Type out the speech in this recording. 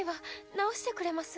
直してくれます？